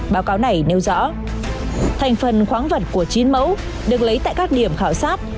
báo cáo này nêu rõ thành phần khoáng vật của chín mẫu được lấy tại các điểm khảo sát